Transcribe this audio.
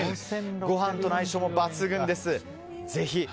ご飯との相性も抜群です。